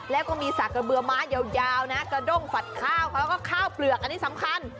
แล้วก็มีสากกระเบือไม้ยาวนะกระด้งฝัดข้าวเขาก็ข้าวเปลือกอันนี้สำคัญ